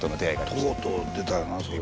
とうとう出たよなそれ。